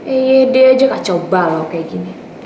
eyd aja kacau balau kayak gini